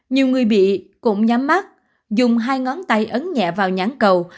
nhiều người bị cũng nhắm mắt dùng hai ngón tay ấn nhẹ vào nhãn cầu